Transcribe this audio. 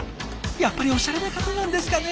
やっぱりおしゃれな方なんですかね？